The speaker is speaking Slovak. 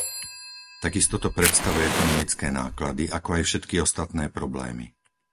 Takisto to predstavuje ekonomické náklady, ako aj všetky ostatné problémy.